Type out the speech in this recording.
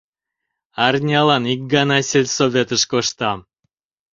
Арнялан ик гана сельсоветыш коштам.